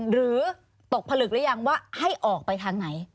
หรือตกผลึกหรือยังว่าให้ออกไปทางไหน